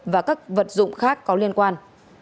và các vật dụng khác có liên quan